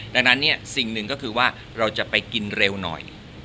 ดังนั้นเนี่ยสิ่งหนึ่งก็คือว่าเราจะไปกินเร็วหน่อย